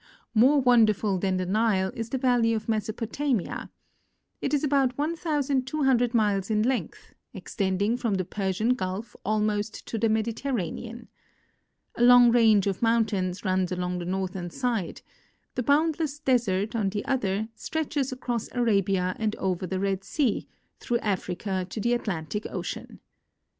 More wonderful than the Nile is the valley of Mesopotamia. It is about 1,200 miles in length, extending from the Persian gulf almost to the Mediterranean. A long range of mountains runs along the northern side ; the boundless desert, on the other, stretches across Arabia and over the Red sea, through Africa to the Atlantic ocean.